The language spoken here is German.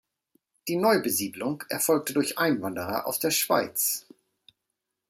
Die Neubesiedlung erfolgte durch Einwanderer aus der Schweiz.